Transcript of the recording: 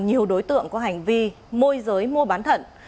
nhiều đối tượng có hành vi môi giới mua bán thận